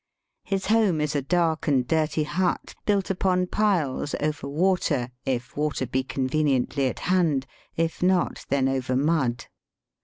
His home is a dark and dirty hut, built upon piles over water, if water be conveniently at hand ; if not, then over mud.